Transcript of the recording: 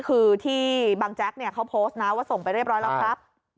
คือที่บางแจ๊กเนี่ยเขาโพสต์นะว่าส่งไปเรียบร้อยแล้วครับ